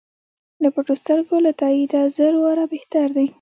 له پټو سترګو له تاییده زر واره بهتر دی.